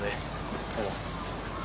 ありがとうございます。